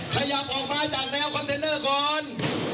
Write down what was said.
ขยับออกมาจากแนวคอนเทนเนอร์ก่อน